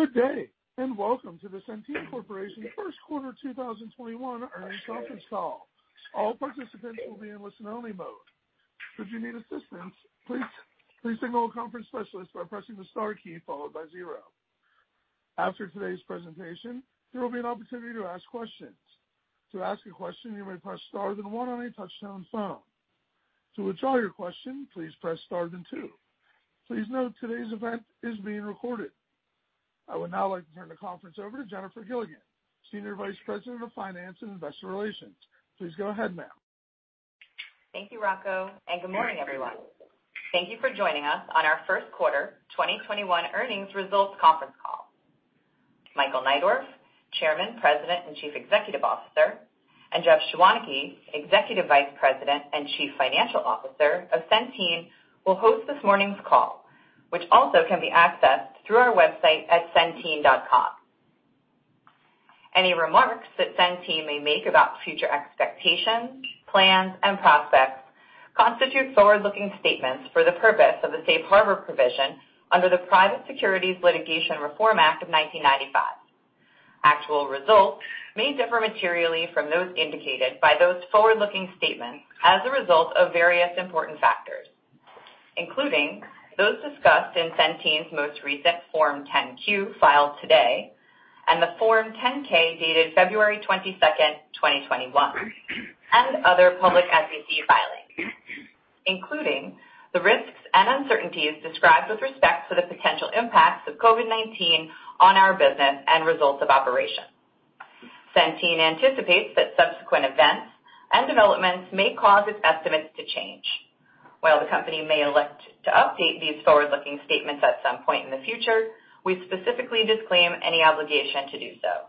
Good day, and welcome to the Centene Corporation First Quarter 2021 Earnings Conference Call. I would now like to turn the conference over to Jennifer Gilligan, Senior Vice President of Finance and Investor Relations. Please go ahead, ma'am. Thank you, Rocco, and good morning, everyone. Thank you for joining us on our first quarter 2021 earnings results conference call. Michael Neidorff, Chairman, President, and Chief Executive Officer, and Jeff Schwaneke, Executive Vice President and Chief Financial Officer of Centene, will host this morning's call, which also can be accessed through our website at centene.com. Any remarks that Centene may make about future expectations, plans, and prospects constitute forward-looking statements for the purpose of the Safe Harbor Provision under the Private Securities Litigation Reform Act of 1995. Actual results may differ materially from those indicated by those forward-looking statements as a result of various important factors, including those discussed in Centene's most recent Form 10-Q filed today, and the Form 10-K dated February 22nd, 2021, and other public SEC filings, including the risks and uncertainties described with respect to the potential impacts of COVID-19 on our business and results of operation. Centene anticipates that subsequent events and developments may cause its estimates to change. While the company may elect to update these forward-looking statements at some point in the future, we specifically disclaim any obligation to do so.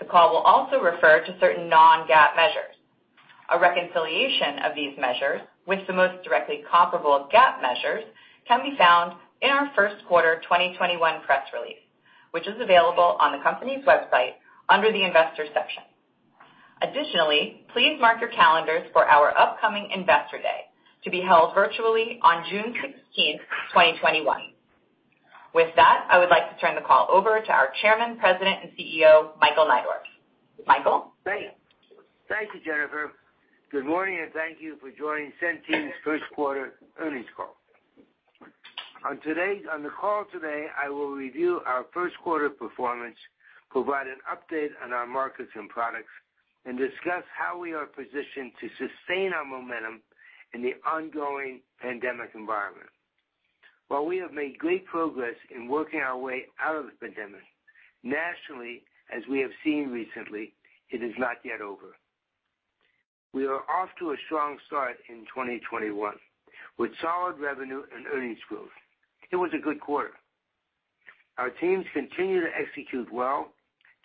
The call will also refer to certain non-GAAP measures. A reconciliation of these measures with the most directly comparable GAAP measures can be found in our first quarter 2021 press release, which is available on the company's website under the investor section. Additionally, please mark your calendars for our upcoming Investor Day, to be held virtually on June 16th, 2021. With that, I would like to turn the call over to our Chairman, President, and CEO, Michael Neidorff. Michael? Thank you, Jennifer. Good morning, thank you for joining Centene's first quarter earnings call. On the call today, I will review our first quarter performance, provide an update on our markets and products, and discuss how we are positioned to sustain our momentum in the ongoing pandemic environment. While we have made great progress in working our way out of the pandemic, nationally, as we have seen recently, it is not yet over. We are off to a strong start in 2021, with solid revenue and earnings growth. It was a good quarter. Our teams continue to execute well,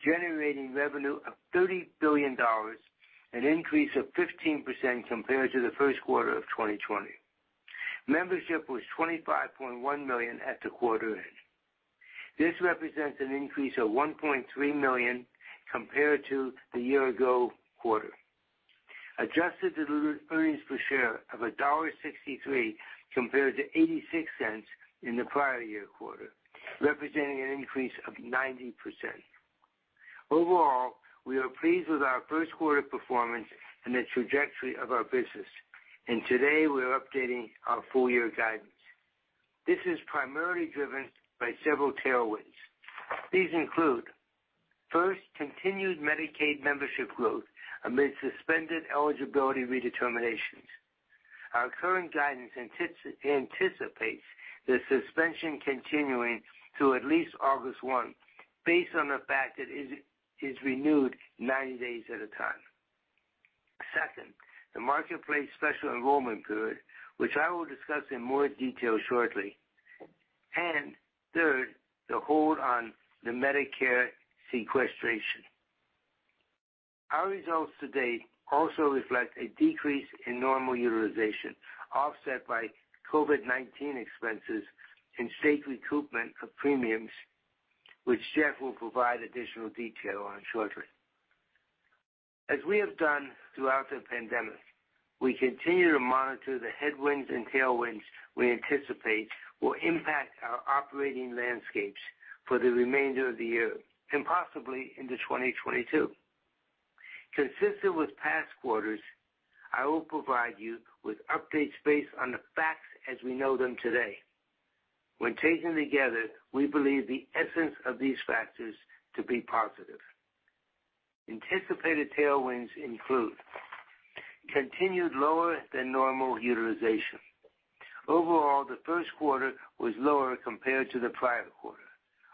generating revenue of $30 billion, an increase of 15% compared to the first quarter of 2020. Membership was 25.1 million at the quarter end. This represents an increase of 1.3 million compared to the year ago quarter. Adjusted to earnings per share of $1.63, compared to $0.86 in the prior year quarter, representing an increase of 90%. Overall, we are pleased with our first quarter performance and the trajectory of our business. Today we're updating our full year guidance. This is primarily driven by several tailwinds. These include, first, continued Medicaid membership growth amid suspended eligibility redeterminations. Our current guidance anticipates the suspension continuing to at least August 1, based on the fact that it is renewed 90 days at a time. Second, the Marketplace special enrollment period, which I will discuss in more detail shortly. Third, the hold on the Medicare sequestration. Our results to date also reflect a decrease in normal utilization, offset by COVID-19 expenses and state recoupment of premiums, which Jeff will provide additional detail on shortly. As we have done throughout the pandemic, we continue to monitor the headwinds and tailwinds we anticipate will impact our operating landscapes for the remainder of the year, and possibly into 2022. Consistent with past quarters, I will provide you with updates based on the facts as we know them today. When taken together, we believe the essence of these factors to be positive. Anticipated tailwinds include continued lower than normal utilization. Overall, the first quarter was lower compared to the prior quarter,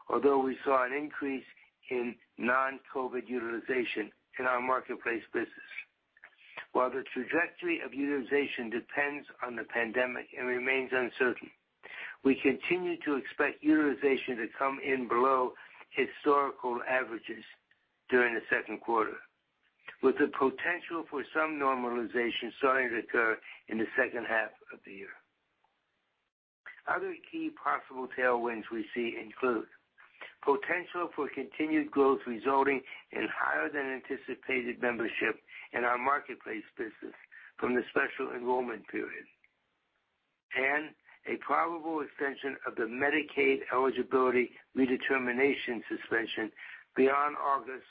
although we saw an increase in non-COVID utilization in our Marketplace business. While the trajectory of utilization depends on the pandemic and remains uncertain, we continue to expect utilization to come in below historical averages during the second quarter, with the potential for some normalization starting to occur in the second half of the year. Other key possible tailwinds we see include Potential for continued growth resulting in higher than anticipated membership in our Marketplace business from the special enrollment period, and a probable extension of the Medicaid eligibility redetermination suspension beyond August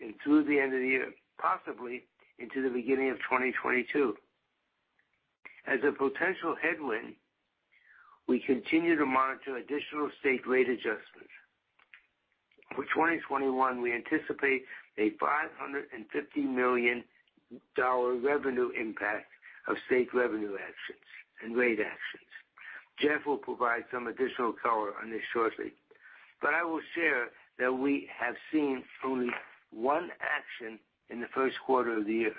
and through the end of the year, possibly into the beginning of 2022. As a potential headwind, we continue to monitor additional state rate adjustments. For 2021, we anticipate a $550 million revenue impact of state revenue actions and rate actions. Jeff will provide some additional color on this shortly, but I will share that we have seen only one action in the first quarter of the year,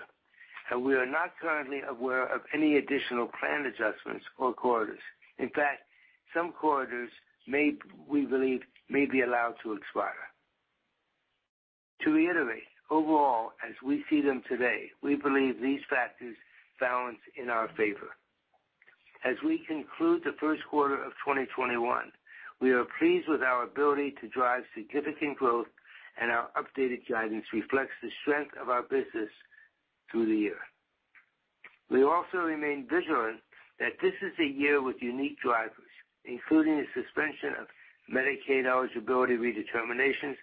and we are not currently aware of any additional plan adjustments or corridors. In fact, some corridors, we believe, may be allowed to expire. To reiterate, overall, as we see them today, we believe these factors balance in our favor. As we conclude the first quarter of 2021, we are pleased with our ability to drive significant growth, our updated guidance reflects the strength of our business through the year. We also remain vigilant that this is a year with unique drivers, including the suspension of Medicaid eligibility redeterminations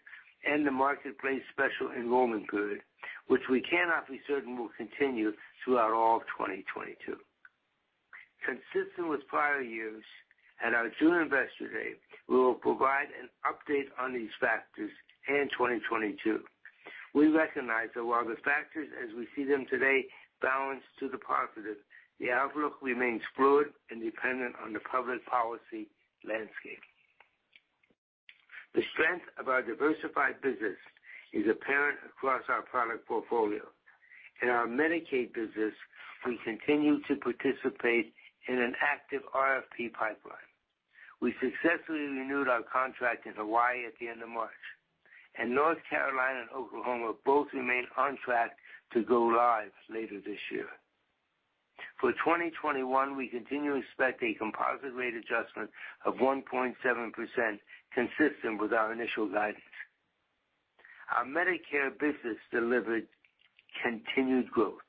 and the Marketplace Special Enrollment Period, which we cannot be certain will continue throughout all of 2022. Consistent with prior years, at our June Investor Day, we will provide an update on these factors and 2022. We recognize that while the factors as we see them today balance to the positive, the outlook remains fluid and dependent on the public policy landscape. The strength of our diversified business is apparent across our product portfolio. In our Medicaid business, we continue to participate in an active RFP pipeline. We successfully renewed our contract in Hawaii at the end of March. North Carolina and Oklahoma both remain on track to go live later this year. For 2021, we continue to expect a composite rate adjustment of 1.7%, consistent with our initial guidance. Our Medicare business delivered continued growth.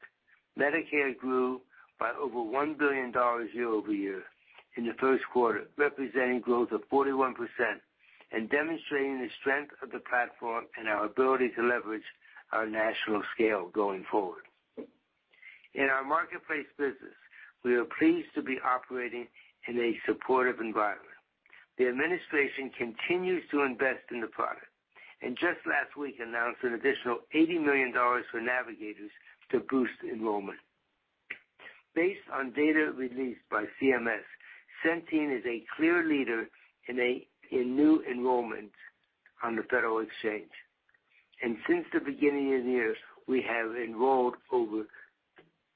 Medicare grew by over $1 billion year-over-year in the first quarter, representing growth of 41% and demonstrating the strength of the platform and our ability to leverage our national scale going forward. In our Marketplace business, we are pleased to be operating in a supportive environment. The administration continues to invest in the product, and just last week announced an additional $80 million for navigators to boost enrollment. Based on data released by CMS, Centene is a clear leader in new enrollment on the federal exchange. Since the beginning of the year, we have enrolled over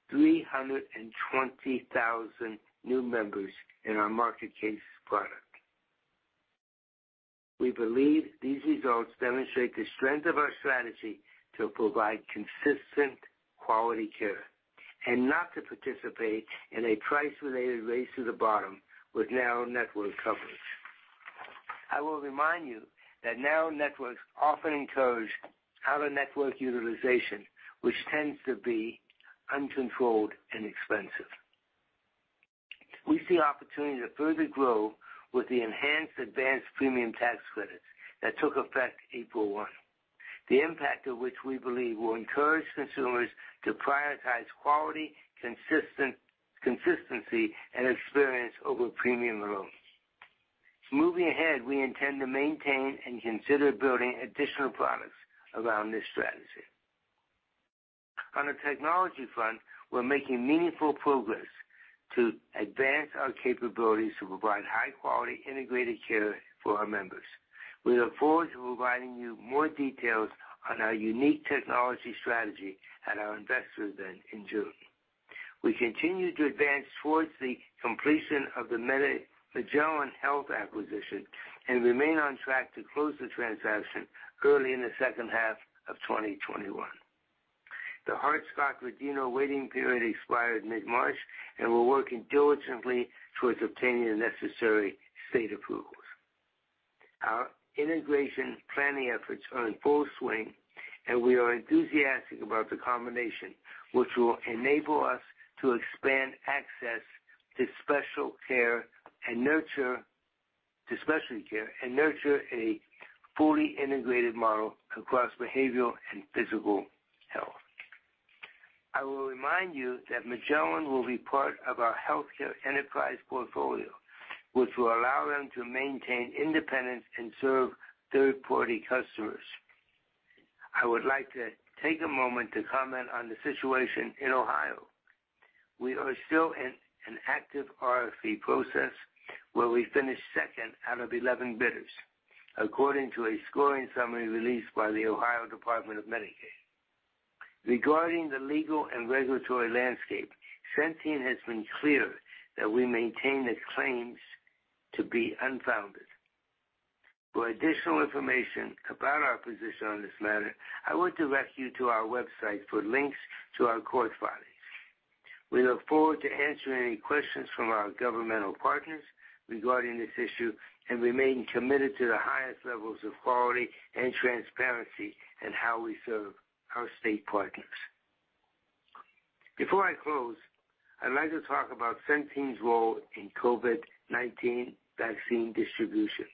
320,000 new members in our Marketplace product. We believe these results demonstrate the strength of our strategy to provide consistent quality care and not to participate in a price-related race to the bottom with narrow network coverage. I will remind you that narrow networks often encourage out-of-network utilization, which tends to be uncontrolled and expensive. We see opportunity to further grow with the enhanced Advance Premium Tax Credits that took effect April 1. The impact of which we believe will encourage consumers to prioritize quality, consistency, and experience over premium alone. Moving ahead, we intend to maintain and consider building additional products around this strategy. On the technology front, we're making meaningful progress to advance our capabilities to provide high-quality integrated care for our members. We look forward to providing you more details on our unique technology strategy at our Investors event in June. We continue to advance towards the completion of the Magellan Health acquisition and remain on track to close the transaction early in the second half of 2021. The Hart-Scott-Rodino waiting period expired mid-March. We're working diligently towards obtaining the necessary state approvals. Our integration planning efforts are in full swing. We are enthusiastic about the combination, which will enable us to expand access to specialty care and nurture a fully integrated model across behavioral and physical health. I will remind you that Magellan will be part of our healthcare enterprise portfolio, which will allow them to maintain independence and serve third-party customers. I would like to take a moment to comment on the situation in Ohio. We are still in an active RFP process where we finished second out of 11 bidders, according to a scoring summary released by the Ohio Department of Medicaid. Regarding the legal and regulatory landscape, Centene has been clear that we maintain its claims to be unfounded. For additional information about our position on this matter, I would direct you to our website for links to our court filings. We look forward to answering any questions from our governmental partners regarding this issue and remain committed to the highest levels of quality and transparency in how we serve our state partners. Before I close, I'd like to talk about Centene's role in COVID-19 vaccine distribution.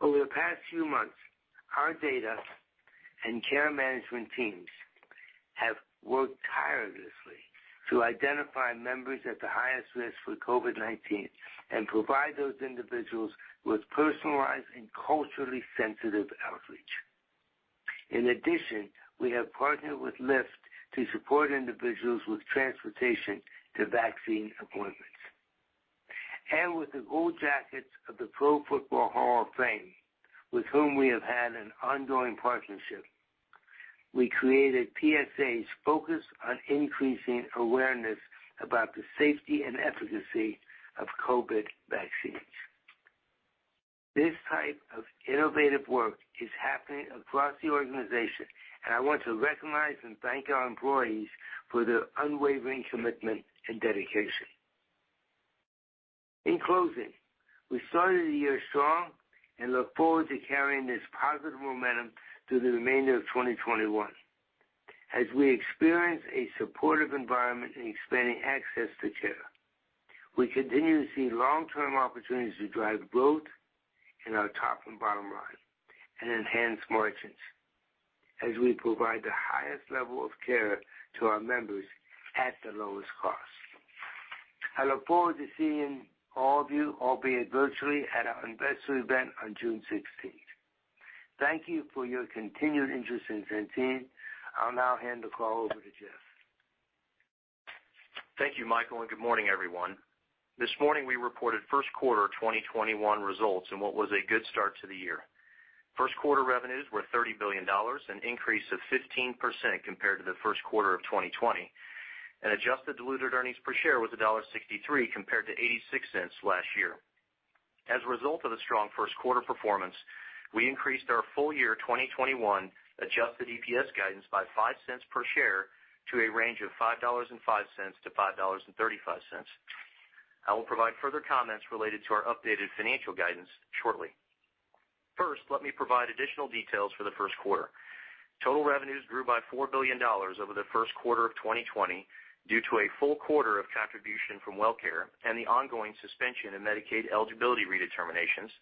Over the past few months, our data and care management teams have worked tirelessly to identify members at the highest risk for COVID-19 and provide those individuals with personalized and culturally sensitive outreach. In addition, we have partnered with Lyft to support individuals with transportation to vaccine appointments. With the Gold Jacket of the Pro Football Hall of Fame, with whom we have had an ongoing partnership, we created PSAs focused on increasing awareness about the safety and efficacy of COVID-19 vaccines. This type of innovative work is happening across the organization, and I want to recognize and thank our employees for their unwavering commitment and dedication. In closing, we started the year strong and look forward to carrying this positive momentum through the remainder of 2021. As we experience a supportive environment in expanding access to care, we continue to see long-term opportunities to drive growth in our top and bottom line and enhance margins as we provide the highest level of care to our members at the lowest cost. I look forward to seeing all of you, albeit virtually, at our Investor Day on June 16th. Thank you for your continued interest in Centene. I'll now hand the call over to Jeff. Thank you, Michael, and good morning, everyone. This morning, we reported first quarter 2021 results in what was a good start to the year. First quarter revenues were $30 billion, an increase of 15% compared to the first quarter of 2020, and adjusted diluted earnings per share was $1.63 compared to $0.86 last year. As a result of the strong first quarter performance, we increased our full year 2021 adjusted EPS guidance by $0.05 per share to a range of $5.05-$5.35. I will provide further comments related to our updated financial guidance shortly. First, let me provide additional details for the first quarter. Total revenues grew by $4 billion over the first quarter of 2020 due to a full quarter of contribution from WellCare and the ongoing suspension in Medicaid eligibility redeterminations,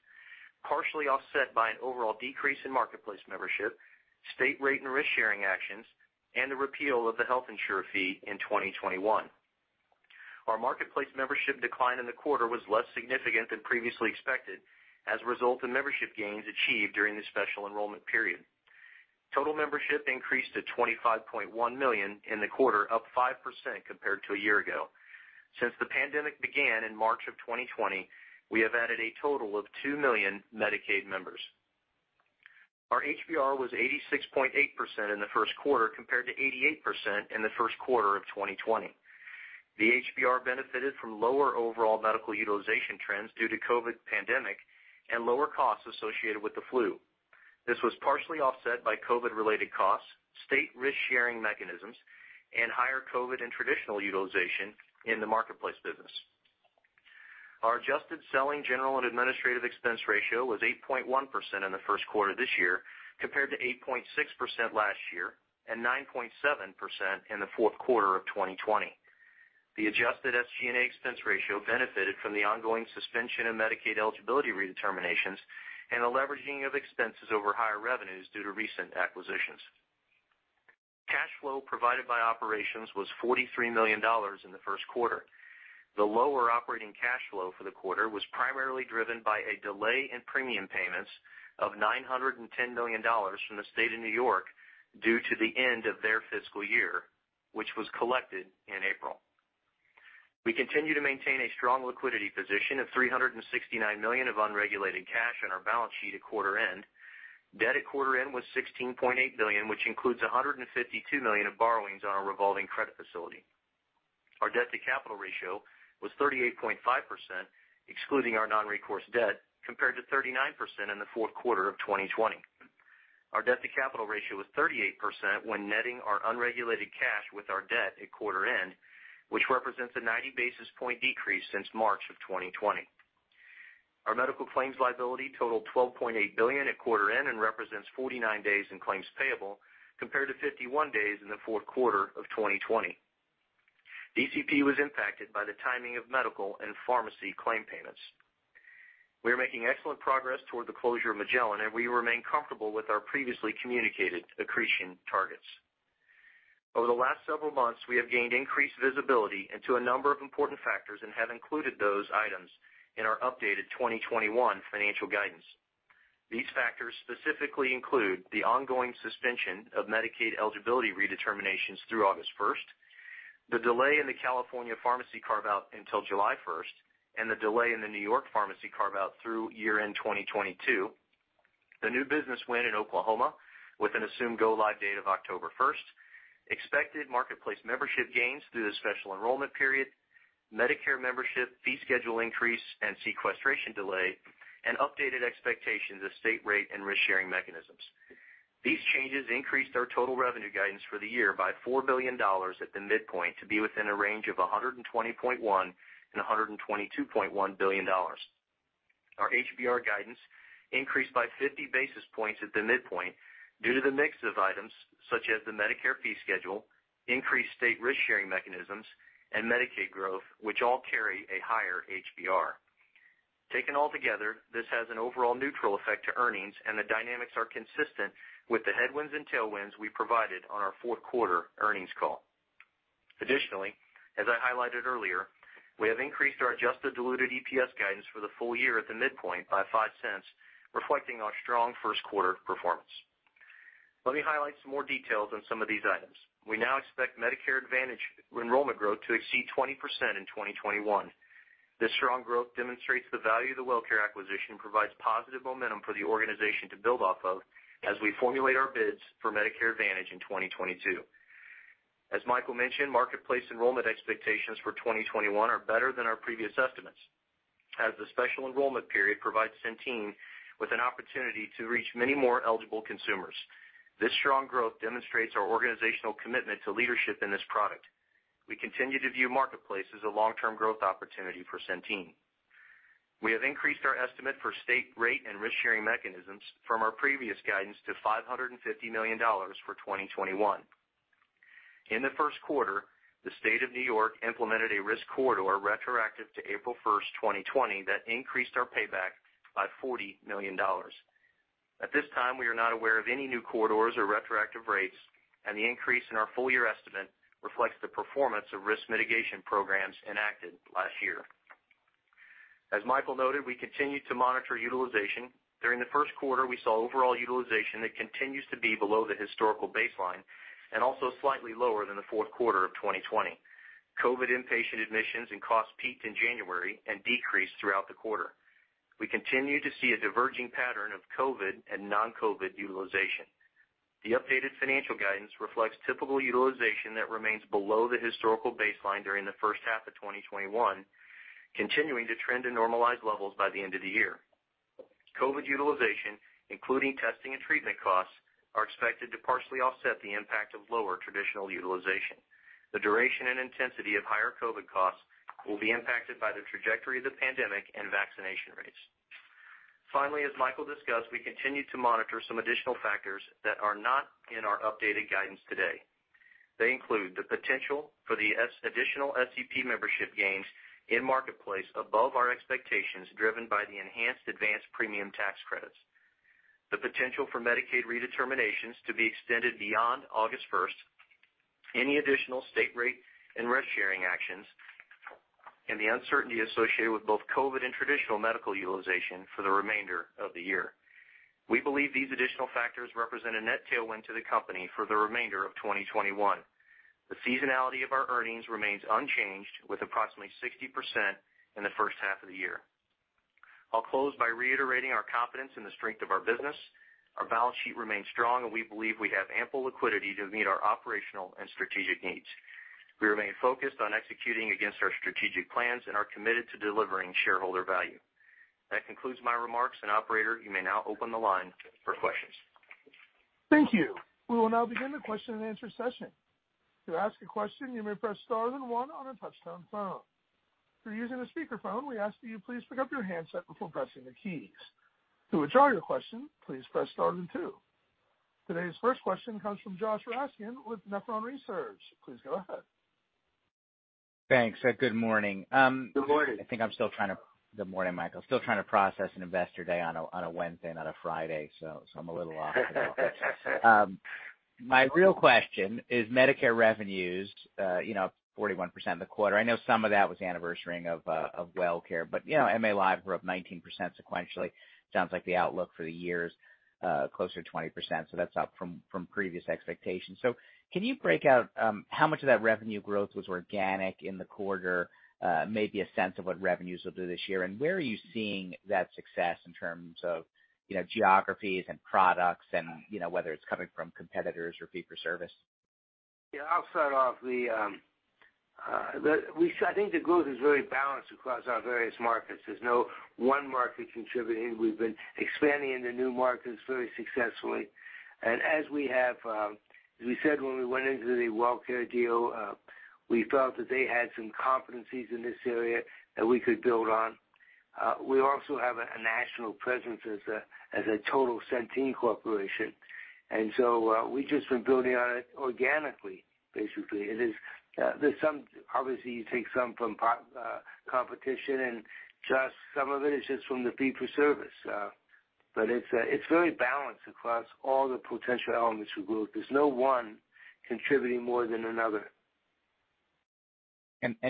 partially offset by an overall decrease in Marketplace membership, state rate and risk-sharing actions, and the repeal of the health insurer fee in 2021. Our Marketplace membership decline in the quarter was less significant than previously expected as a result of membership gains achieved during the special enrollment period. Total membership increased to 25.1 million in the quarter, up 5% compared to a year ago. Since the pandemic began in March of 2020, we have added a total of 2 million Medicaid members. Our HBR was 86.8% in the first quarter, compared to 88% in the first quarter of 2020. The HBR benefited from lower overall medical utilization trends due to COVID pandemic and lower costs associated with the flu. This was partially offset by COVID-related costs, state risk-sharing mechanisms, and higher COVID and traditional utilization in the Marketplace business. Our adjusted SG&A expense ratio was 8.1% in the first quarter this year, compared to 8.6% last year and 9.7% in the fourth quarter of 2020. The adjusted SG&A expense ratio benefited from the ongoing suspension of Medicaid eligibility redeterminations and a leveraging of expenses over higher revenues due to recent acquisitions. Cash flow provided by operations was $43 million in the first quarter. The lower operating cash flow for the quarter was primarily driven by a delay in premium payments of $910 million from the state of N.Y. due to the end of their fiscal year, which was collected in April. We continue to maintain a strong liquidity position of $369 million of unregulated cash on our balance sheet at quarter end. Debt at quarter end was $16.8 billion, which includes $152 million of borrowings on our revolving credit facility. Our debt-to-capital ratio was 38.5%, excluding our non-recourse debt, compared to 39% in the fourth quarter of 2020. Our debt-to-capital ratio was 38% when netting our unregulated cash with our debt at quarter end, which represents a 90-basis-point decrease since March of 2020. Our medical claims liability totaled $12.8 billion at quarter end and represents 49 days in claims payable, compared to 51 days in the fourth quarter of 2020. DCP was impacted by the timing of medical and pharmacy claim payments. We are making excellent progress toward the closure of Magellan, and we remain comfortable with our previously communicated accretion targets. Over the last several months, we have gained increased visibility into a number of important factors and have included those items in our updated 2021 financial guidance. These factors specifically include the ongoing suspension of Medicaid eligibility redeterminations through August 1st, the delay in the California pharmacy carve-out until July 1st, and the delay in the New York pharmacy carve-out through year-end 2022, the new business win in Oklahoma with an assumed go-live date of October 1st, expected Marketplace membership gains through the special enrollment period, Medicare membership fee schedule increase and sequestration delay, and updated expectations of state rate and risk-sharing mechanisms. These changes increased our total revenue guidance for the year by $4 billion at the midpoint to be within a range of $120.1 billion and $122.1 billion. Our HBR guidance increased by 50 basis points at the midpoint due to the mix of items such as the Medicare fee schedule, increased state risk-sharing mechanisms, and Medicaid growth, which all carry a higher HBR. Taken altogether, this has an overall neutral effect to earnings, and the dynamics are consistent with the headwinds and tailwinds we provided on our fourth quarter earnings call. Additionally, as I highlighted earlier, we have increased our adjusted diluted EPS guidance for the full year at the midpoint by $0.05, reflecting our strong first quarter performance. Let me highlight some more details on some of these items. We now expect Medicare Advantage enrollment growth to exceed 20% in 2021. This strong growth demonstrates the value of the WellCare acquisition, provides positive momentum for the organization to build off of as we formulate our bids for Medicare Advantage in 2022. As Michael mentioned, Marketplace enrollment expectations for 2021 are better than our previous estimates, as the special enrollment period provides Centene with an opportunity to reach many more eligible consumers. This strong growth demonstrates our organizational commitment to leadership in this product. We continue to view Marketplace as a long-term growth opportunity for Centene. We have increased our estimate for state rate and risk-sharing mechanisms from our previous guidance to $550 million for 2021. In the first quarter, the state of New York implemented a risk corridor retroactive to April 1st, 2020, that increased our payback by $40 million. At this time, we are not aware of any new corridors or retroactive rates, and the increase in our full-year estimate reflects the performance of risk mitigation programs enacted last year. As Michael noted, we continue to monitor utilization. During the first quarter, we saw overall utilization that continues to be below the historical baseline and also slightly lower than the fourth quarter of 2020. COVID inpatient admissions and costs peaked in January and decreased throughout the quarter. We continue to see a diverging pattern of COVID and non-COVID utilization. The updated financial guidance reflects typical utilization that remains below the historical baseline during the first half of 2021, continuing to trend to normalized levels by the end of the year. COVID utilization, including testing and treatment costs, are expected to partially offset the impact of lower traditional utilization. The duration and intensity of higher COVID costs will be impacted by the trajectory of the pandemic and vaccination rates. As Michael discussed, we continue to monitor some additional factors that are not in our updated guidance today. They include the potential for the additional SEP membership gains in Marketplace above our expectations, driven by the enhanced Advance Premium Tax Credits, the potential for Medicaid redeterminations to be extended beyond August 1st, any additional state rate and risk-sharing actions, and the uncertainty associated with both COVID and traditional medical utilization for the remainder of the year. We believe these additional factors represent a net tailwind to the company for the remainder of 2021. The seasonality of our earnings remains unchanged, with approximately 60% in the first half of the year. I'll close by reiterating our confidence in the strength of our business. Our balance sheet remains strong, and we believe we have ample liquidity to meet our operational and strategic needs. We remain focused on executing against our strategic plans and are committed to delivering shareholder value. That concludes my remarks, and operator, you may now open the line for questions. Thank you. We will now begin the question and answer session. To ask a question, you may press star then one on a touchtone phone. If you're using a speakerphone, we ask that you please pick up your handset before pressing the keys. To withdraw your question, please press star then two. Today's first question comes from Joshua Raskin with Nephron Research. Please go ahead. Thanks. Good morning. Good morning. I think I'm still trying to Good morning, Michael. Still trying to process an Investor Day on a Wednesday, not a Friday. I'm a little off still. My real question is Medicare revenues, 41% of the quarter. I know some of that was anniversarying of WellCare, but MA Live grew up 19% sequentially. Sounds like the outlook for the year is closer to 20%, so that's up from previous expectations. Can you break out how much of that revenue growth was organic in the quarter? Maybe a sense of what revenues will do this year, and where are you seeing that success in terms of geographies and products and whether it's coming from competitors or fee for service? Yeah, I'll start off. I think the growth is very balanced across our various markets. There's no one market contributing. We've been expanding in the new markets very successfully. As we said when we went into the WellCare deal, we felt that they had some competencies in this area that we could build on. We also have a national presence as a total Centene Corporation, we've just been building on it organically, basically. Obviously, you take some from competition, just some of it is just from the fee for service. It's very balanced across all the potential elements for growth. There's no one contributing more than another.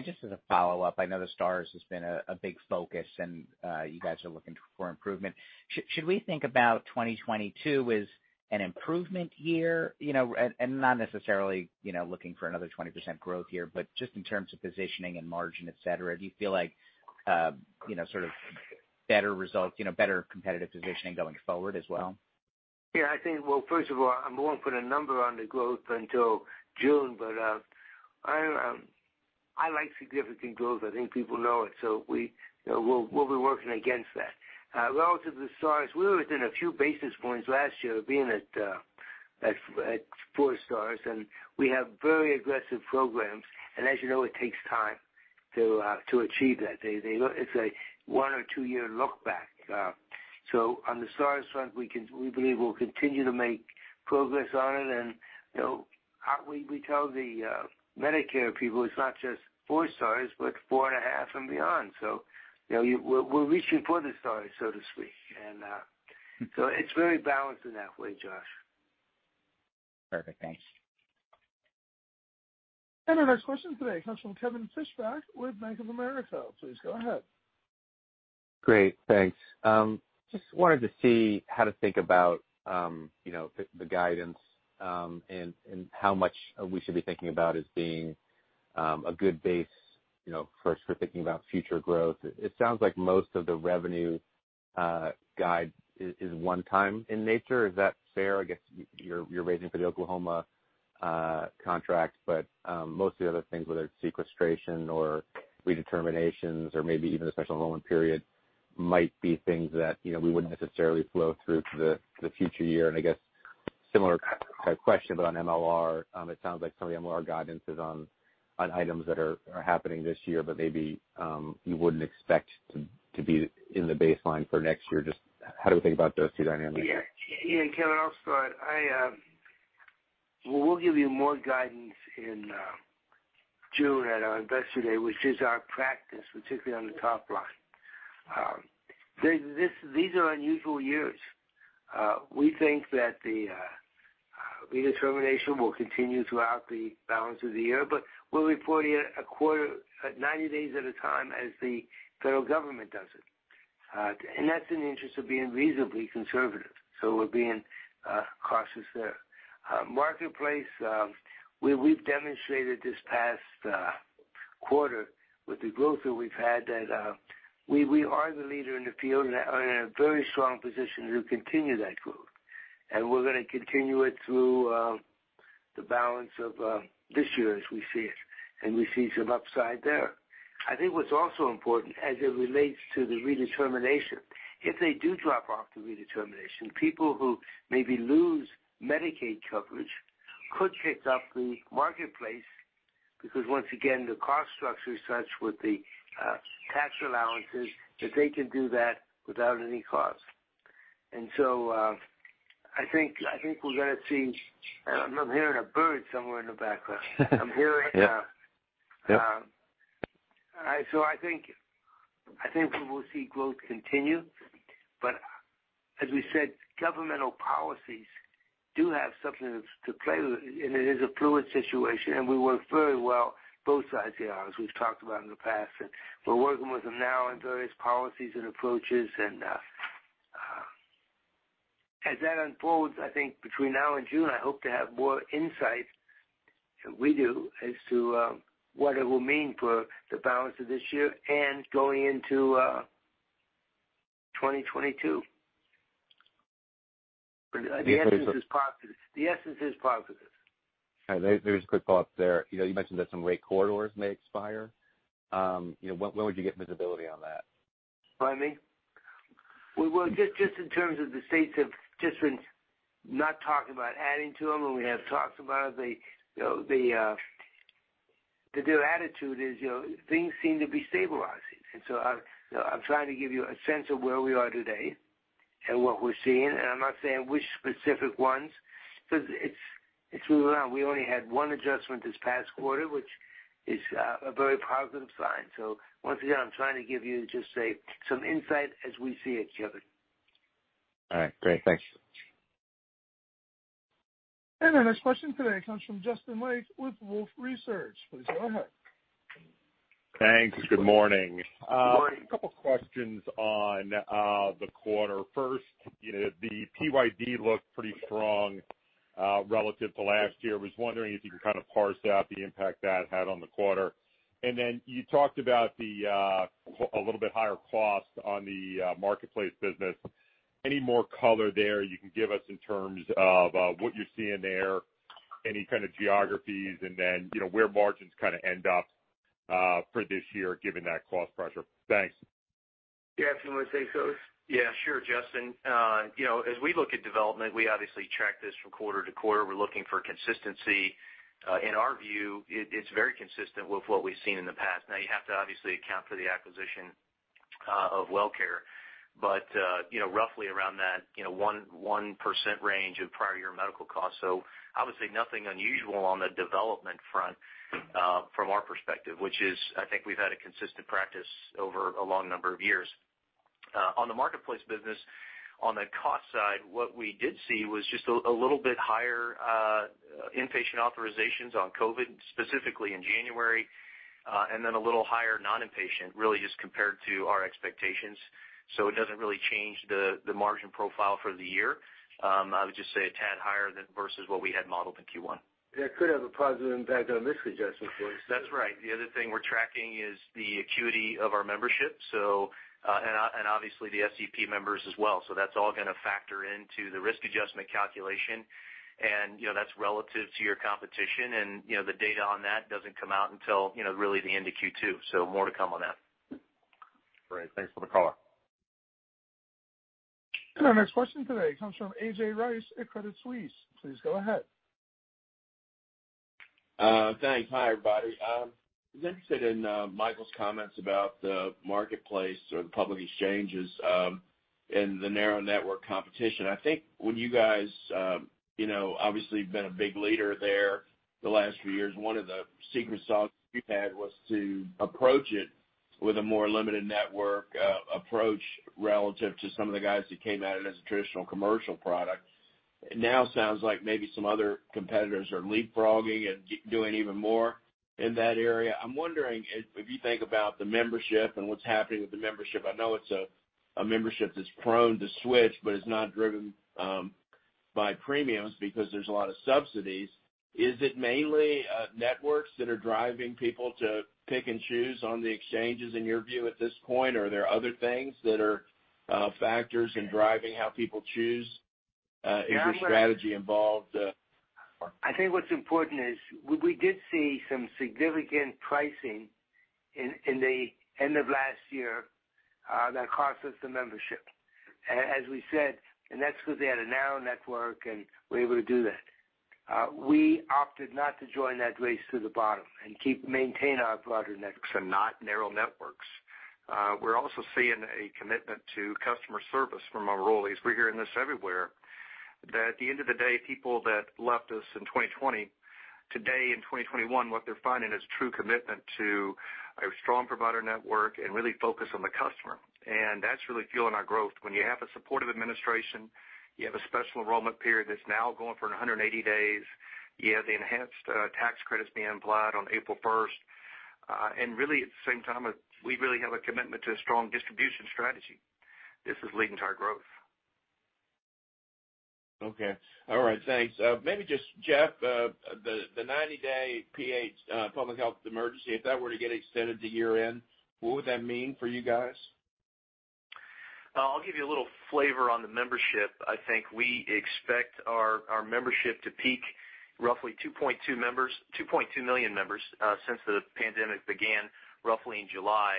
Just as a follow-up, I know the Star Ratings has been a big focus and you guys are looking for improvement. Should we think about 2022 as an improvement year? Not necessarily looking for another 20% growth year, but just in terms of positioning and margin, et cetera. Do you feel like better results, better competitive positioning going forward as well? Yeah, I think, well, first of all, I won't put a number on the growth until June. I like significant growth. I think people know it. We'll be working against that. Relative to the Stars, we were within a few basis points last year being at 4 Stars, and we have very aggressive programs, and as you know, it takes time to achieve that. It's a one or two-year look back. On the Stars front, we believe we'll continue to make progress on it, and we tell the Medicare people it's not just 4 Stars, but four and a half and beyond. We're reaching for the Stars, so to speak. It's very balanced in that way, Josh. Perfect. Thanks. Our next question today comes from Kevin Fischbeck with Bank of America. Please go ahead. Great, thanks. Just wanted to see how to think about the guidance, and how much we should be thinking about as being a good base, first for thinking about future growth. It sounds like most of the revenue guide is one time in nature. Is that fair? I guess, you're waiting for the Oklahoma contract, but most of the other things, whether it's sequestration or redeterminations or maybe even the special enrollment period might be things that we wouldn't necessarily flow through to the future year. I guess similar kind of question, but on MLR, it sounds like some of the MLR guidance is on items that are happening this year, but maybe you wouldn't expect to be in the baseline for next year. Just how do we think about those two dynamics? Yeah. Kevin, I'll start. We'll give you more guidance in June at our Investor Day, which is our practice, particularly on the top line. These are unusual years. We think that the redetermination will continue throughout the balance of the year, but we'll report it a quarter at 90 days at a time as the federal government does it. That's in the interest of being reasonably conservative. We're being cautious there. Marketplace, we've demonstrated this past quarter with the growth that we've had that we are the leader in the field and are in a very strong position to continue that growth. We're going to continue it through the balance of this year as we see it, and we see some upside there. I think what's also important as it relates to the redetermination, if they do drop off the redetermination, people who maybe lose Medicaid coverage could pick up the Marketplace because once again, the cost structure is such with the tax allowances that they can do that without any cost. I think we're going to see. I'm hearing a bird somewhere in the background. Yeah. I think we will see growth continue, but as we said, governmental policies do have something to play with, and it is a fluid situation, and we work very well, both sides of the aisle, as we've talked about in the past. We're working with them now on various policies and approaches. As that unfolds, I think between now and June, I hope to have more insight than we do as to what it will mean for the balance of this year and going into 2022. The essence is positive. There's a quick follow-up there. You mentioned that some [wait] corridors may expire. When would you get visibility on that? Pardon me? Well, just in terms of the states have just been not talking about adding to them, and we have talked about it. Their attitude is things seem to be stabilizing. I'm trying to give you a sense of where we are today and what we're seeing, and I'm not saying which specific ones, because it's moving around. We only had one adjustment this past quarter, which is a very positive sign. Once again, I'm trying to give you just some insight as we see it, Kevin. All right, great. Thanks. Our next question today comes from Justin Lake with Wolfe Research. Please go ahead. Thanks. Good morning. Good morning. A couple questions on the quarter. First, the PYD looked pretty strong, relative to last year. Was wondering if you could kind of parse out the impact that had on the quarter. Then you talked about the little bit higher cost on the Marketplace business. Any more color there you can give us in terms of what you're seeing there, any kind of geographies, then where margins kind of end up for this year, given that cost pressure. Thanks. Jeff, Do you want to take this? Sure, Justin. As we look at development, we obviously track this from quarter to quarter. We're looking for consistency. In our view, it's very consistent with what we've seen in the past. You have to obviously account for the acquisition of WellCare, but roughly around that 1% range of prior year medical costs. I would say nothing unusual on the development front from our perspective, which is, I think we've had a consistent practice over a long number of years. On the Marketplace business, on the cost side, what we did see was just a little bit higher inpatient authorizations on COVID, specifically in January, and then a little higher non-impatient, really just compared to our expectations. It doesn't really change the margin profile for the year. I would just say a tad higher than versus what we had modeled in Q1. Yeah, it could have a positive impact on risk adjustment for us. That's right. The other thing we're tracking is the acuity of our membership, and obviously the SEP members as well. That's all going to factor into the risk adjustment calculation, and that's relative to your competition, and the data on that doesn't come out until really the end of Q2. More to come on that. Great. Thanks for the call. Our next question today comes from A.J. Rice at Credit Suisse. Please go ahead. Thanks. Hi, everybody. I was interested in Michael's comments about the Marketplace or the public exchanges, and the narrow network competition. I think when you guys, obviously have been a big leader there the last few years, one of the secret sauces you've had was to approach it with a more limited network approach relative to some of the guys that came at it as a traditional commercial product. It now sounds like maybe some other competitors are leapfrogging and doing even more in that area. I'm wondering if you think about the membership and what's happening with the membership, I know it's a membership that's prone to switch, but is not driven by premiums because there's a lot of subsidies. Is it mainly networks that are driving people to pick and choose on the exchanges in your view at this point? Are there other things that are factors in driving how people choose? Is your strategy involved? I think what's important is we did see some significant pricing in the end of last year, that cost us the membership. As we said, that's because they had a narrow network, and we're able to do that. We opted not to join that race to the bottom and maintain our broader networks and not narrow networks. We're also seeing a commitment to customer service from enrollees. We're hearing this everywhere, that at the end of the day, people that left us in 2020, today in 2021, what they're finding is true commitment to a strong provider network and really focus on the customer. That's really fueling our growth. When you have a supportive administration, you have a Special Enrollment Period that's now going for 180 days, you have the enhanced tax credits being applied on April 1st, and really at the same time, we really have a commitment to a strong distribution strategy. This is leading to our growth. Okay. All right, thanks. Maybe just Jeff, the 90-day public health emergency, if that were to get extended to year-end, what would that mean for you guys? I'll give you a little flavor on the membership. I think we expect our membership to peak roughly 2.2 million members, since the pandemic began roughly in July.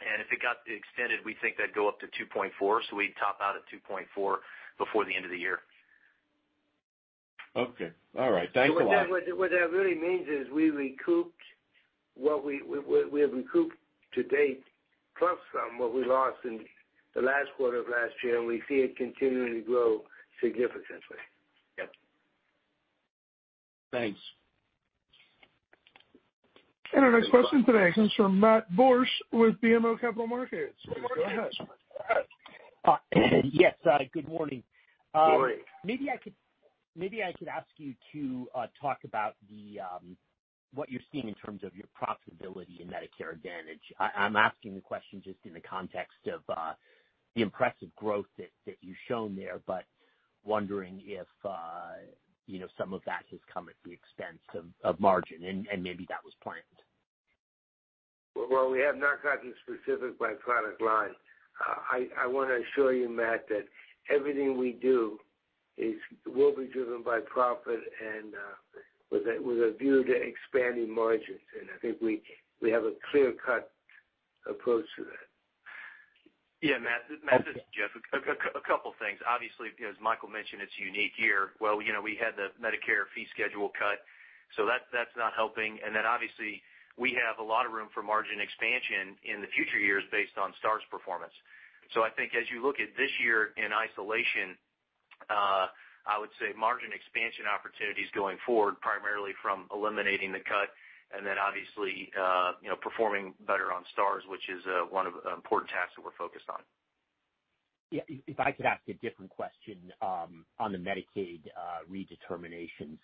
If it got extended, we think that'd go up to 2.4. We'd top out at 2.4 before the end of the year. Okay. All right. Thanks a lot. What that really means is we have recouped to date plus some, what we lost in the last quarter of last year. We see it continuing to grow significantly. Yep. Thanks. Our next question today comes from Matt Borsch with BMO Capital Markets. Please go ahead. Yes, good morning. Morning. Maybe I could ask you to talk about what you're seeing in terms of your profitability in Medicare Advantage. I'm asking the question just in the context of the impressive growth that you've shown there, but wondering if some of that has come at the expense of margin, and maybe that was planned. Well, we have not gotten specific by product line. I want to assure you, Matt, that everything we do will be driven by profit and with a view to expanding margins. I think we have a clear-cut approach to that. Matt, this is Jeff. A couple things. Obviously, as Michael mentioned, it's a unique year. We had the Medicare fee schedule cut, that's not helping, and then obviously we have a lot of room for margin expansion in the future years based on Stars performance. I think as you look at this year in isolation, I would say margin expansion opportunities going forward, primarily from eliminating the cut and then obviously performing better on Stars, which is one of the important tasks that we're focused on. Yeah. If I could ask a different question, on the Medicaid redeterminations.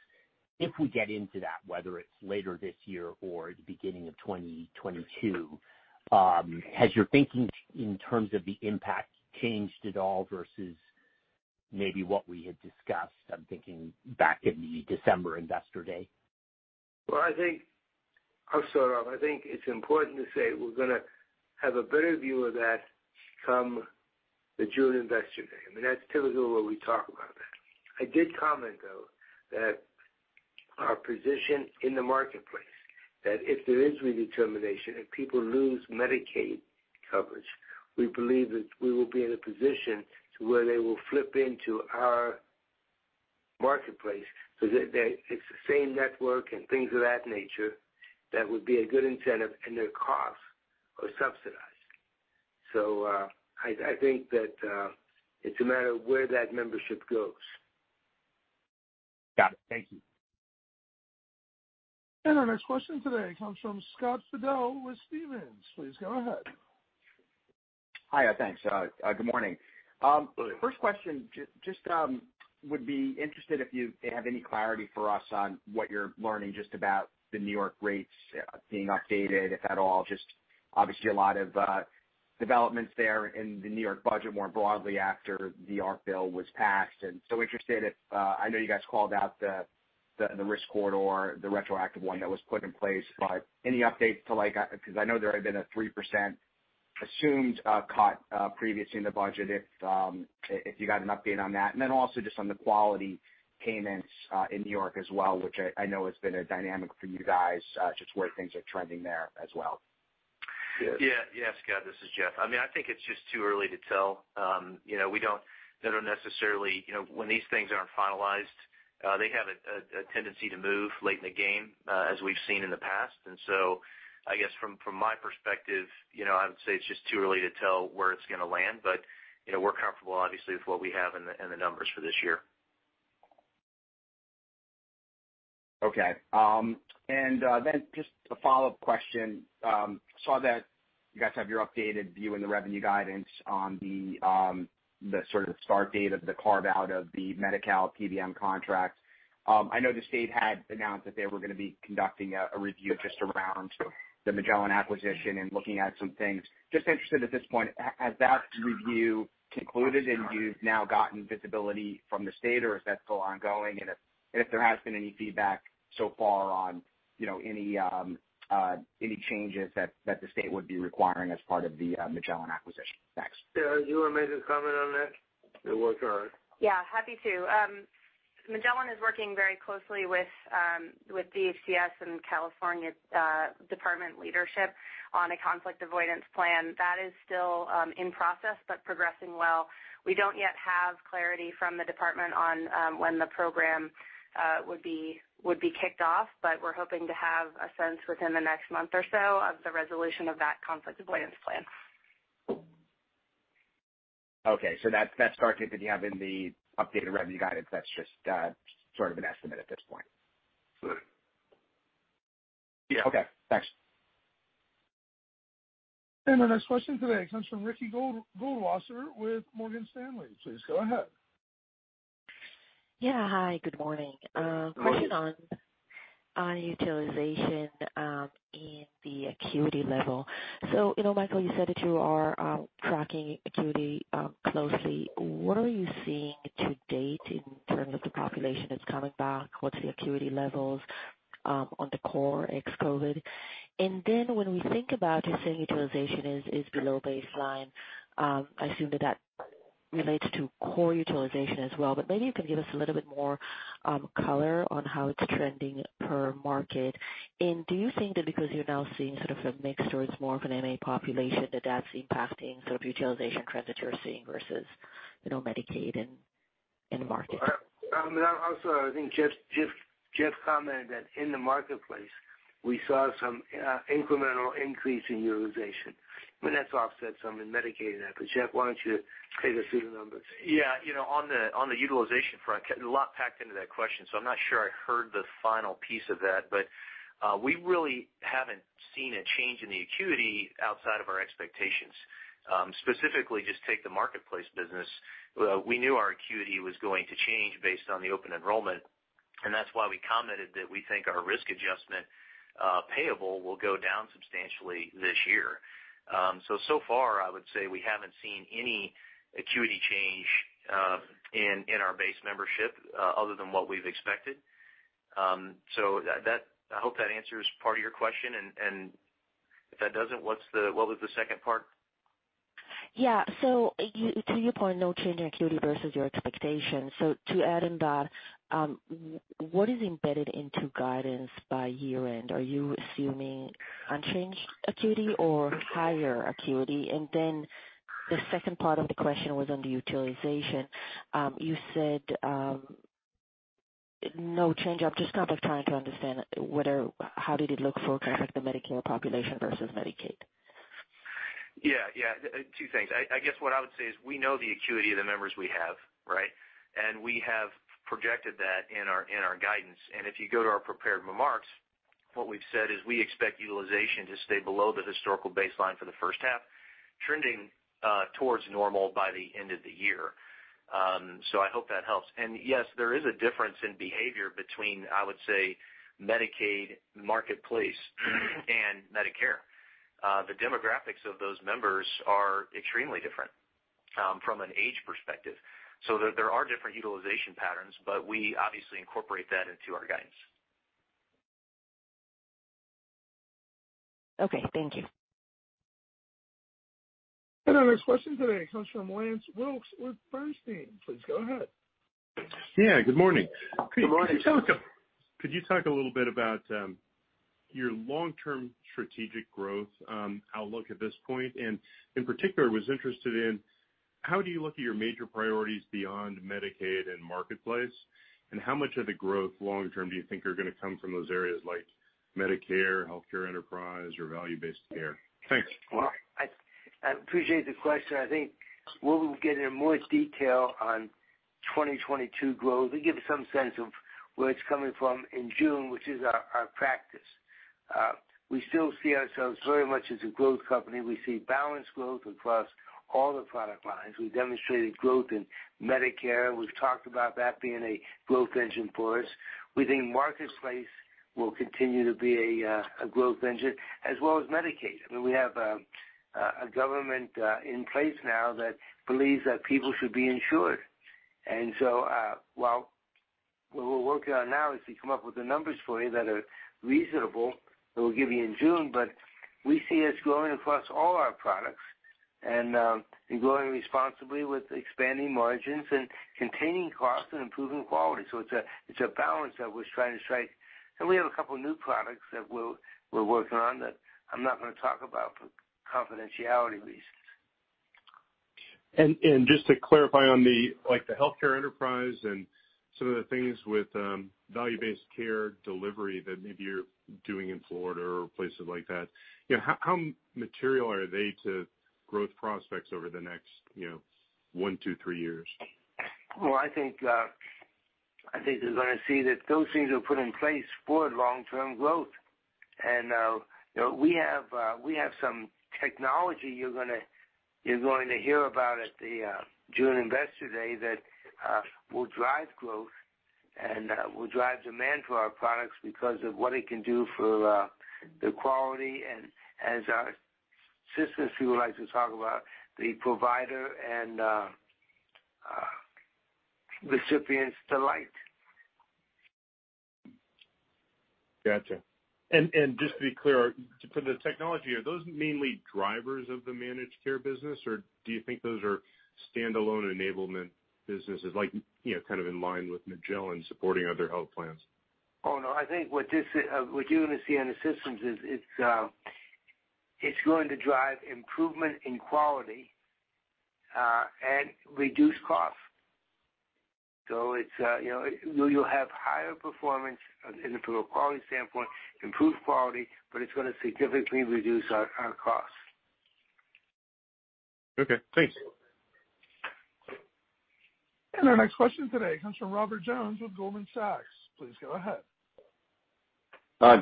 If we get into that, whether it's later this year or at the beginning of 2022, has your thinking in terms of the impact changed at all versus maybe what we had discussed, I'm thinking back at the December Investor Day? Well, I think I'll start off. I think it's important to say we're going to have a better view of that come the June Investor Day. I mean, that's typically where we talk about that. I did comment, though, that our position in the Marketplace, that if there is redetermination, if people lose Medicaid coverage, we believe that we will be in a position to where they will flip into our Marketplace so that it's the same network and things of that nature that would be a good incentive, and their costs are subsidized. I think that it's a matter of where that membership goes. Got it. Thank you. Our next question today comes from Scott Fidel with Stephens. Please go ahead. Hi. Thanks. Good morning. First question, just would be interested if you have any clarity for us on what you're learning just about the New York rates being updated, if at all. Obviously a lot of developments there in the New York budget more broadly after the ARP bill was passed. Interested if I know you guys called out the risk corridor, the retroactive one that was put in place, any updates to because I know there had been a 3% assumed cut previously in the budget, if you got an update on that. Also just on the quality payments in New York as well, which I know has been a dynamic for you guys, just where things are trending there as well. Yes, Scott, this is Jeff. I think it's just too early to tell. When these things aren't finalized, they have a tendency to move late in the game, as we've seen in the past. I guess from my perspective, I would say it's just too early to tell where it's going to land. We're comfortable, obviously, with what we have in the numbers for this year. Okay. Just a follow-up question. Saw that you guys have your updated view in the revenue guidance on the sort of start date of the carve-out of the Medi-Cal PBM contract. I know the state had announced that they were going to be conducting a review just around the Magellan acquisition and looking at some things. Interested at this point, has that review concluded and you've now gotten visibility from the state, or is that still ongoing, and if there has been any feedback so far on any changes that the state would be requiring as part of the Magellan acquisition? Thanks. Sarah, do you want to make a comment on that? It was her. Yeah, happy to. Magellan is working very closely with DHCS and California Department leadership on a conflict avoidance plan. That is still in process but progressing well. We don't yet have clarity from the Department on when the program would be kicked off, but we're hoping to have a sense within the next month or so of the resolution of that conflict avoidance plan. Okay, that start date that you have in the updated revenue guidance, that's just sort of an estimate at this point. Right. Okay, thanks. The next question today comes from Ricky Goldwasser with Morgan Stanley. Please go ahead. Yeah. Hi, good morning. Good morning. A question on utilization in the acuity level. Michael, you said that you are tracking acuity closely. What are you seeing to date in terms of the population that's coming back? What's the acuity levels on the core ex-COVID? When we think about, you're saying utilization is below baseline. I assume that that relates to core utilization as well. Maybe you can give us a little bit more color on how it's trending per market. Do you think that because you're now seeing sort of a mix towards more of an MA population, that that's impacting sort of utilization trends that you're seeing versus Medicaid in the market? Also, I think Jeff commented that in the Marketplace, we saw some incremental increase in utilization. I mean, that's offset some in Medicaid and that, but Jeff, why don't you take us through the numbers? Yeah. On the utilization front, a lot packed into that question, so I'm not sure I heard the final piece of that. We really haven't seen a change in the acuity outside of our expectations. Specifically, just take the Marketplace business. We knew our acuity was going to change based on the open enrollment, and that's why we commented that we think our risk adjustment payable will go down substantially this year. So far, I would say we haven't seen any acuity change in our base membership other than what we've expected. I hope that answers part of your question. If that doesn't, what was the second part? Yeah. To your point, no change in acuity versus your expectations. To add in that, what is embedded into guidance by year-end? Are you assuming unchanged acuity or higher acuity? The second part of the question was on the utilization. You said no change. I'm just kind of trying to understand how did it look for kind of like the Medicare population versus Medicaid. Yeah. Two things. I guess what I would say is we know the acuity of the members we have, right? We have projected that in our guidance. If you go to our prepared remarks, what we've said is we expect utilization to stay below the historical baseline for the first half, trending towards normal by the end of the year. I hope that helps. Yes, there is a difference in behavior between, I would say, Medicaid, Marketplace, and Medicare. The demographics of those members are extremely different from an age perspective. There are different utilization patterns, but we obviously incorporate that into our guidance. Okay. Thank you. Our next question today comes from Lance Wilkes with Bernstein. Please go ahead. Yeah, good morning. Good morning. Could you talk a little bit about your long-term strategic growth outlook at this point? In particular, was interested in how do you look at your major priorities beyond Medicaid and Marketplace, and how much of the growth long-term do you think are going to come from those areas like Medicare, healthcare enterprise, or value-based care? Thanks. Well, I appreciate the question. I think we'll get into more detail on 2022 growth. We give some sense of where it's coming from in June, which is our practice. We still see ourselves very much as a growth company. We see balanced growth across all the product lines. We demonstrated growth in Medicare. We've talked about that being a growth engine for us. We think Marketplace will continue to be a growth engine as well as Medicaid. I mean, we have a government in place now that believes that people should be insured. What we're working on now is to come up with the numbers for you that are reasonable, that we'll give you in June. We see us growing across all our products. Growing responsibly with expanding margins and containing costs and improving quality. It's a balance that we're trying to strike. We have a couple new products that we're working on that I'm not going to talk about for confidentiality reasons. Just to clarify on the healthcare enterprise and some of the things with value-based care delivery that maybe you're doing in Florida or places like that, how material are they to growth prospects over the next one, two, three years? Well, I think you're going to see that those things are put in place for long-term growth. We have some technology you're going to hear about at the June Investor Day that will drive growth and will drive demand for our products because of what it can do for the quality and, as our systems people like to talk about, the provider and recipient's delight. Just to be clear, for the technology, are those mainly drivers of the managed care business, or do you think those are standalone enablement businesses, like kind of in line with Magellan supporting other health plans? Oh, no. I think what you're going to see on the systems is it's going to drive improvement in quality and reduce cost. You'll have higher performance from a quality standpoint, improved quality, but it's going to significantly reduce our cost. Okay, thanks. Our next question today comes from Robert Jones with Goldman Sachs. Please go ahead.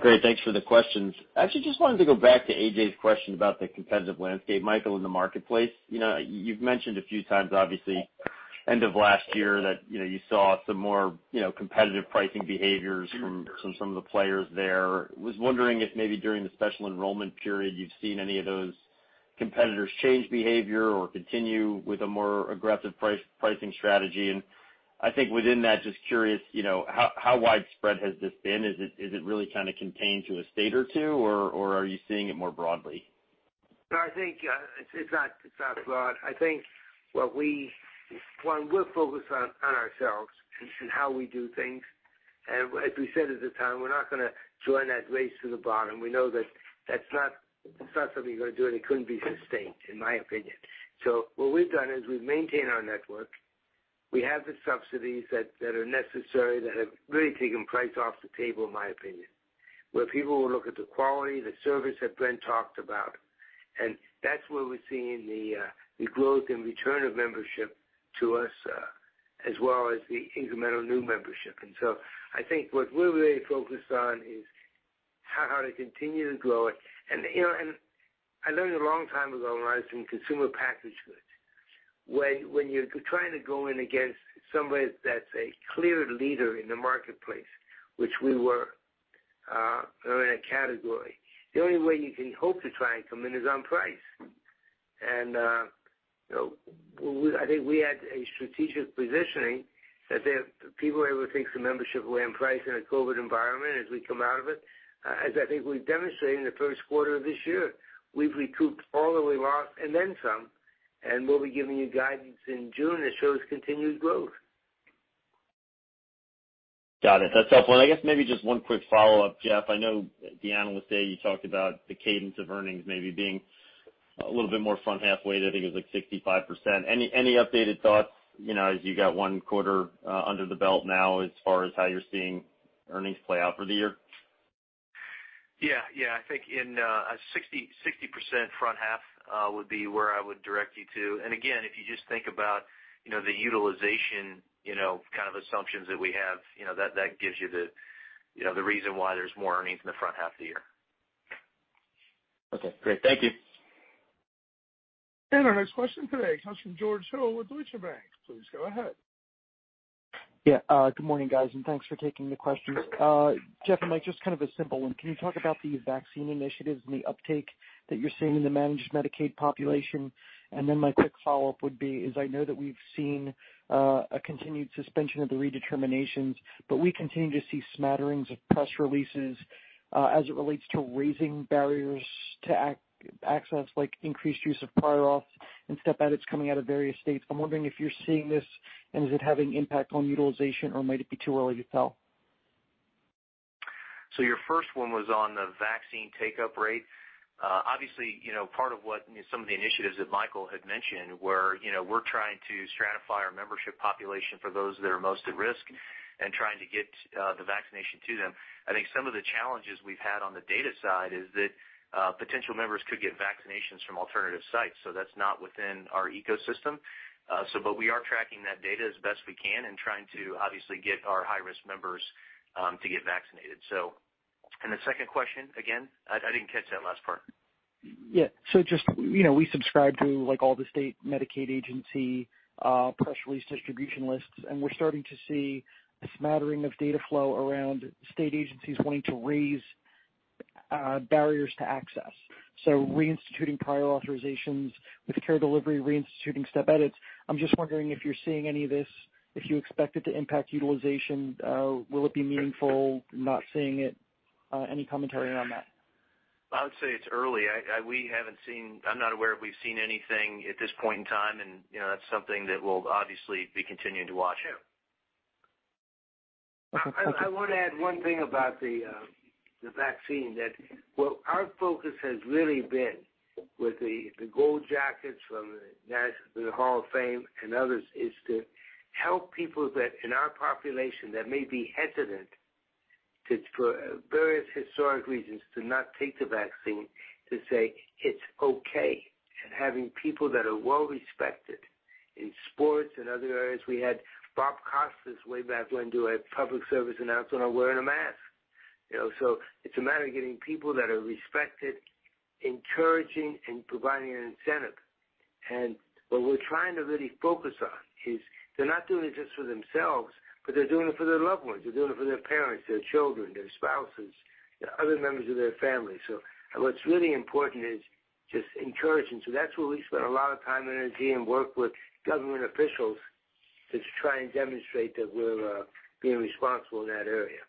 Great. Thanks for the questions. Actually, just wanted to go back to A.J.'s question about the competitive landscape, Michael, in the Marketplace. You've mentioned a few times, obviously, end of last year that you saw some more competitive pricing behaviors from some of the players there. Was wondering if maybe during the Special Enrollment Period, you've seen any of those competitors change behavior or continue with a more aggressive pricing strategy. I think within that, just curious, how widespread has this been? Is it really kind of contained to a state or two, or are you seeing it more broadly? No, I think it's not broad. I think, one, we're focused on ourselves and how we do things. As we said at the time, we're not going to join that race to the bottom. We know that's not something you're going to do, and it couldn't be sustained, in my opinion. What we've done is we've maintained our network. We have the subsidies that are necessary, that have really taken price off the table, in my opinion, where people will look at the quality, the service that Brent talked about. That's where we're seeing the growth and return of membership to us, as well as the incremental new membership. I think what we're really focused on is how to continue to grow it. I learned a long time ago when I was in consumer packaged goods, when you're trying to go in against somebody that's a clear leader in the marketplace, which we were in a category, the only way you can hope to try and come in is on price. I think we had a strategic positioning that people were able to take some membership away on price in a COVID environment as we come out of it. As I think we've demonstrated in the first quarter of this year, we've recouped all that we lost and then some, and we'll be giving you guidance in June that shows continued growth. Got it. That's helpful. I guess maybe just one quick follow-up, Jeff. I know at the Investor Day, you talked about the cadence of earnings maybe being a little bit more front half weighted. I think it was, like, 65%. Any updated thoughts, as you got one quarter under the belt now, as far as how you're seeing earnings play out for the year? I think in a 60% front half would be where I would direct you to. Again, if you just think about the utilization kind of assumptions that we have, that gives you the reason why there's more earnings in the front half of the year. Okay, great. Thank you. Our next question today comes from George Hill with Deutsche Bank. Please go ahead. Yeah, good morning, guys, and thanks for taking the questions. Jeff and Mike, just kind of a simple one. Can you talk about the vaccine initiatives and the uptake that you're seeing in the managed Medicaid population? My quick follow-up would be is I know that we've seen a continued suspension of the redeterminations, but we continue to see smatterings of press releases, as it relates to raising barriers to access, like increased use of prior auth and step edits coming out of various states. I'm wondering if you're seeing this, and is it having impact on utilization, or might it be too early to tell? Your first one was on the vaccine take-up rate. Obviously, part of what some of the initiatives that Michael had mentioned were, we're trying to stratify our membership population for those that are most at risk and trying to get the vaccination to them. I think some of the challenges we've had on the data side is that potential members could get vaccinations from alternative sites, so that's not within our ecosystem. We are tracking that data as best we can and trying to obviously get our high-risk members to get vaccinated. The second question, again? I didn't catch that last part. We subscribe to all the state Medicaid agency press release distribution lists, and we're starting to see a smattering of data flow around state agencies wanting to raise barriers to access. Reinstituting prior authorizations with care delivery, reinstituting step edits. I'm just wondering if you're seeing any of this, if you expect it to impact utilization. Will it be meaningful not seeing it? Any commentary on that? I would say it's early. I'm not aware if we've seen anything at this point in time, and that's something that we'll obviously be continuing to watch. Sure. I want to add one thing about the vaccine. That our focus has really been with the Gold Jacket from the Hall of Fame and others, is to help people that, in our population, that may be hesitant, for various historic reasons, to not take the vaccine, to say it's okay. Having people that are well-respected in sports and other areas. We had Bob Costas way back when do a public service announcement on wearing a mask. It's a matter of getting people that are respected, encouraging and providing an incentive. What we're trying to really focus on is they're not doing it just for themselves, but they're doing it for their loved ones. They're doing it for their parents, their children, their spouses, other members of their family. What's really important is just encouraging. That's where we spend a lot of time and energy and work with government officials to try and demonstrate that we're being responsible in that area.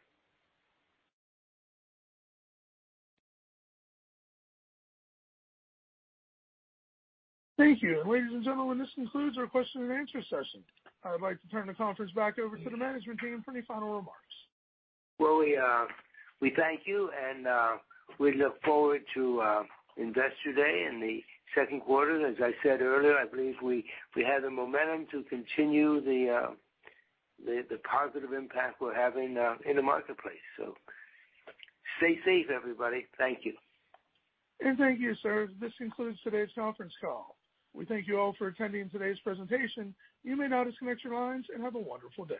Thank you. Ladies and gentlemen, this concludes our question and answer session. I would like to turn the conference back over to the management team for any final remarks. Well, we thank you, and we look forward to Investor Day in the second quarter. As I said earlier, I believe we have the momentum to continue the positive impact we're having in the marketplace. Stay safe, everybody. Thank you. Thank you, sir. This concludes today's conference call. We thank you all for attending today's presentation. You may now disconnect your lines, and have a wonderful day.